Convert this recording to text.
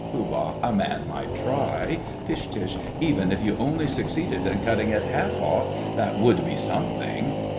POOH. A man might try. PISH. Even if you only succeeded in cutting it half off, that would be something.